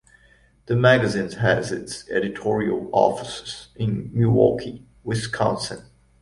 The magazine has its editorial offices in Milwaukee, Wisconsin.